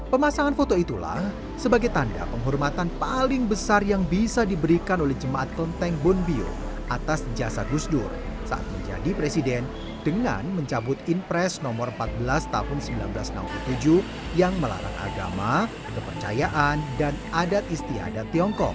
pemasangan foto itulah sebagai tanda penghormatan paling besar yang bisa diberikan oleh jemaat kelenteng bonbio atas jasa gusdur saat menjadi presiden dengan mencabut impres no empat belas tahun seribu sembilan ratus enam puluh tujuh yang melarang agama kepercayaan dan adat istiadat tiongkok